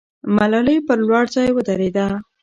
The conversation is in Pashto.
ملالۍ پر لوړ ځای ودرېده.